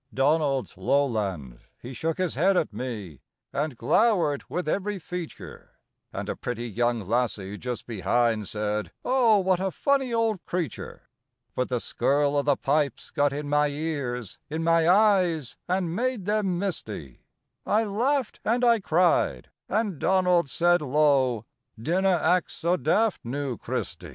Donald's lowland, he shook his head at me, And glowered with every feature, And a pretty young lassie just behind Said: "Oh, what a funny old creature!" But the skirl o' the pipes got in my ears, In my eyes, and made them misty; I laughed and I cried, and Donald said low: "Dinna act so daft, noo, Christy!"